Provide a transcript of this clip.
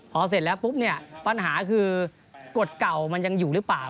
พอเสร็จแล้วปุ๊บเนี่ยปัญหาคือกฎเก่ามันยังอยู่หรือเปล่า